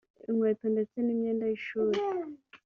inkweto ndetse n’imyenda y’ishuri